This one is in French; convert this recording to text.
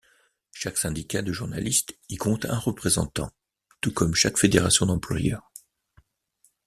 Chaque syndicat de journalistes y compte un représentant, tout comme chaque fédération d'employeurs.